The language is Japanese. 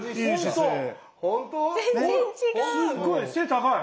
すっごい背高い。